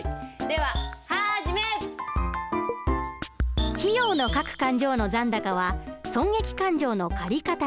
では始め！費用の各勘定の残高は損益勘定の借方に。